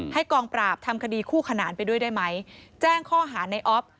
กองปราบทำคดีคู่ขนานไปด้วยได้ไหมแจ้งข้อหาในออฟ